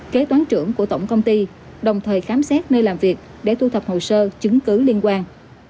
kế toán trưởng của tổng công ty đồng thời khám xét nơi làm việc để thu thập hồ sơ chứng cứ liên quan